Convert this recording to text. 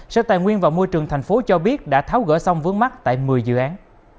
sở tài nguyên và môi trường tp hcm cho biết đã tháo gỡ xong vướng mắt tại một mươi dự án